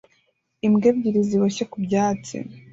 Imbwa ebyiri ziboshye ku byatsi